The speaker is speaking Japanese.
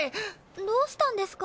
どうしたんですか？